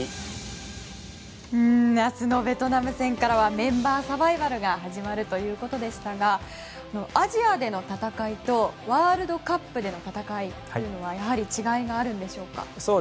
明日のベトナム戦からはメンバーサバイバルが始まるということでしたがアジアでの戦いとワールドカップでの戦いは違いがあるんでしょうか？